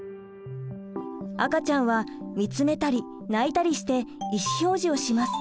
赤ちゃんは見つめたり泣いたりして意思表示をします。